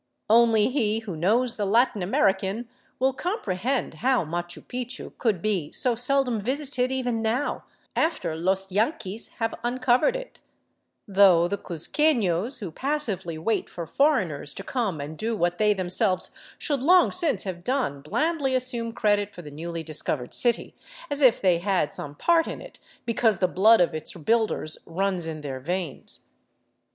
Only he who knows the Latin American will comprehend how Machu Picchu could be so seldom visited even now, after los yanquis have uncovered it ; though the cuzquefios who passively wait for foreigners to come and do what they themselves should long since have done blandly assume credit for the newly discovered city, as if they had some part in it because the blood of its builders runs in their veins.